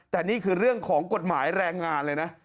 แต่นี่คือเรื่องของกฎหมายแรงงานเลยนะ